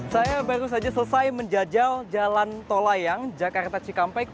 saya baru saja selesai menjajal jalan tol layang jakarta cikampek